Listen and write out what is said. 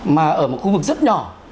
mà ở một khu vực rất nhỏ